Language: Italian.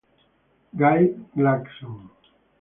Guy Clarkson